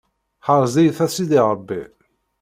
Ḥrez-iyi-t a sidi Ṛebbi.